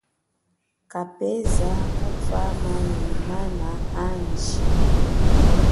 Kapeza katwama nyi mana andji.